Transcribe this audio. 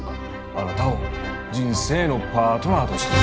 あなたを人生のパートナーとして迎えたい。